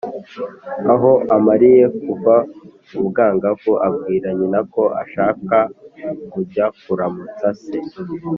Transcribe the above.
Aho amariye kuva mu bwangavu abwira nyina ko ashaka kujya kuramutsa se,